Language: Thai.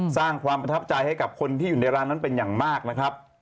สร้างความประทับใจให้กับคนที่อยู่ในร้านนั้นเป็นอย่างมากนะครับ